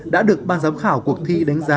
đã được ban giám khảo cuộc thi đánh giá